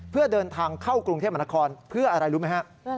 เพื่อเดินทางเข้ากรุงเทพมนครเพื่ออะไรรู้ไหมฮะ